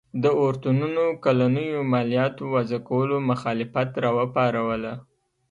د اورتونونو کلنیو مالیاتو وضعه کولو مخالفت راوپاروله.